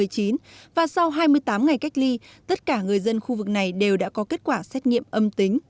và sau hai mươi tám ngày cách ly tất cả người dân khu vực này đều đã có kết quả xét nghiệm âm tính